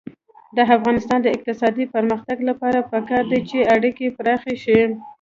د افغانستان د اقتصادي پرمختګ لپاره پکار ده چې اړیکې پراخې شي.